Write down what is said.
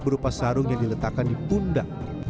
berupa sarung yang diletakkan di pundak